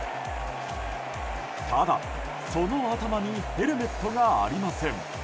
ただ、その頭にヘルメットがありません。